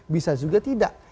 bisa juga tidak